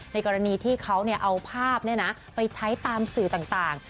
กรณีที่เขาเอาภาพไปใช้ตามสื่อต่าง